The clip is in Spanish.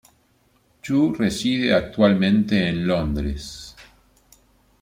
Choo reside actualmente en Londres.